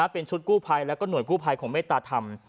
เป็นชุดกู้ภัยแล้วก็หน่วยกู้ภัยของเมตตาธรรม